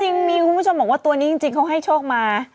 จริงมีคุณผู้ชมบอกว่าตัวนี้จริงเขาให้โชคมา